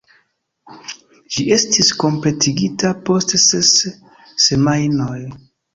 Ĝi estis kompletigita post ses semajnoj.